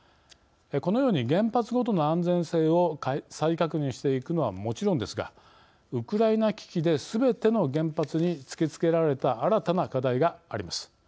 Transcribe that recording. このように原発ごとの安全性を再確認していくのはもちろんですがウクライナ危機ですべての原発に突きつけられた新たな課題があります。